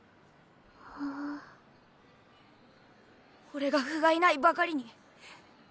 俺がふがいないばかりに。